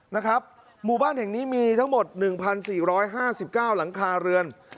นะครับหมู่บ้านแห่งนี้มีทั้งหมด๑๔๕๙หลังคาเรือน